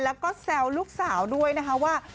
แล้วก็แซวลูกสาวด้วยนะคะว่า